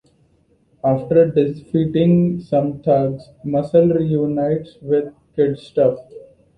After defeating some thugs, Muscle reunites with Kidstuff.